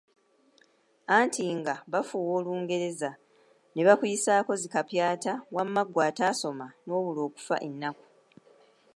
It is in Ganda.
Anti nga bafuuwa olungereza, ne bakuyisaako zi kapyata wamma ggwe atasooma n’obulwa okufa ennaku.